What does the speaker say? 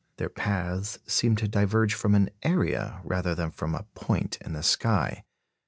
Their paths seemed to diverge from an area rather than from a point in the sky.